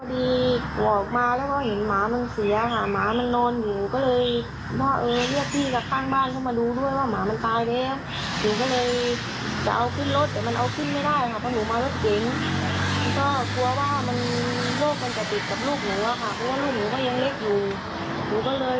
ที่วัดค่ะเพราะว่ารักมันมากด้วย